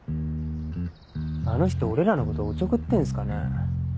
あの人俺らのことおちょくってんすかね？